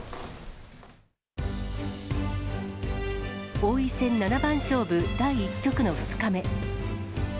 王位戦七番勝負第１局の２日目。